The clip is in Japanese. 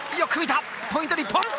ポイント、日本！